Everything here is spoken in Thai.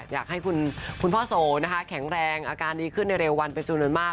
อยากให้คุณพ่อโสนะคะแข็งแรงอาการดีขึ้นในเร็ววันเป็นจำนวนมาก